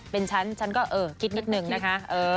เป็นฉันฉันก็คิดนิดนึงนะคะ